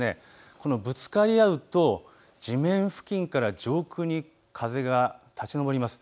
このぶつかり合うと地面付近から上空に風が立ち上ります。